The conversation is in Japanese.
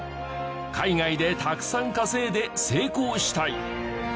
海外でたくさん稼いで成功したい。